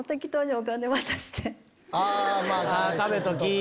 食べときぃ！